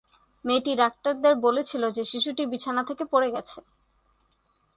মেয়েটি ডাক্তারদের বলেছিল যে শিশুটি বিছানা থেকে পড়ে গেছে।